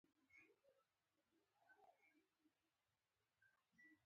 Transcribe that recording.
احمدشاه بابا د افغانانو د ویاړ نښه ده.